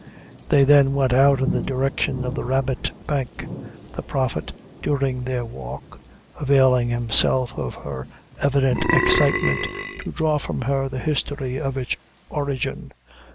They then went out in the direction of the Rabbit Bank, the Prophet, during their walk, availing himself of her evident excitement to draw from her the history of its origin.